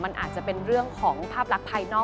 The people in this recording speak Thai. มันอาจจะเป็นเรื่องของภาพลักษณ์ภายนอก